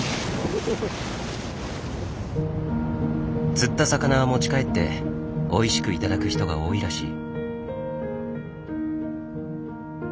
釣った魚は持ち帰っておいしく頂く人が多いらしい。